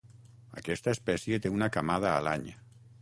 Aquesta espècie té una camada a l'any.